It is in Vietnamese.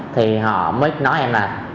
thì họ mới nói em là